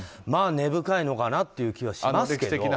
まあ根深いのかなという気はしますけど。